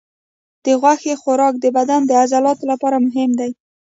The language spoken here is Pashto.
د غوښې خوراک د بدن د عضلاتو لپاره مهم دی.